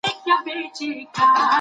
روښانه فکر ځواک نه کموي.